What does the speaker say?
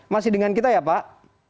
masih dengan kita ya pak